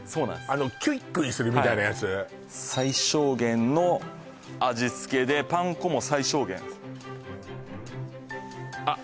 あのキュイッキュイするみたいなやつ最小限の味つけでパン粉も最小限ですあっ